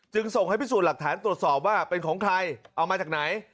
ส่งให้พิสูจน์หลักฐานตรวจสอบว่าเป็นของใครเอามาจากไหน